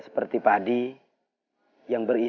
permisi seh guru